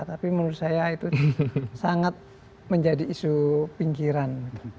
tapi menurut saya itu sangat menjadi isu pinggiran